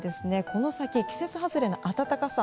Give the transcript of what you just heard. この先、季節外れの暖かさ